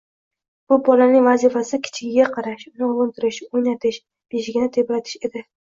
Bu bolaning vazifasi kichigiga qarash, uni ovuntirish, o'ynatish, beshigini tebratish edi.